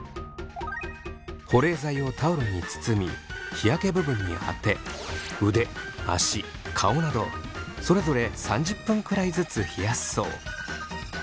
保冷剤をタオルに包み日焼け部分にあて腕足顔などそれぞれ３０分くらいずつ冷やすそう。